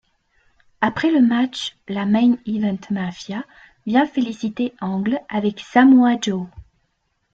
Après le match la Main Event Mafia vient féliciter Angle avec Samoa Joe.